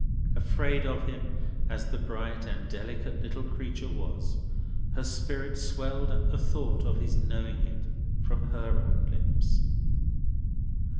Afraid of him as the bright and delicate little creature was, her spirit swelled at the thought of his knowing it from her own lips.